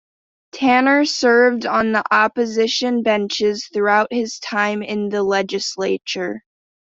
Tanner served on the opposition benches throughout his time in the legislature.